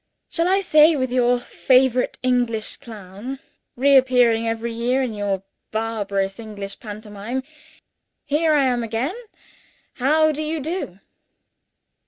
Shall I say, with your favorite English clown, reappearing every year in your barbarous English pantomime, "Here I am again: how do you do?"